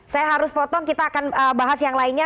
saya harus potong kita akan bahas yang lainnya